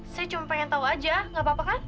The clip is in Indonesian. saya cuma pengen tahu aja gak apa apa kan